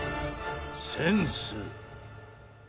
センス。